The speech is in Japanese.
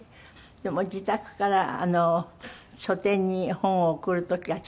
でも自宅から書店に本を送る時はちょっと寂しかった？